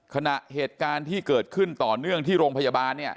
เหตุการณ์ที่เกิดขึ้นต่อเนื่องที่โรงพยาบาลเนี่ย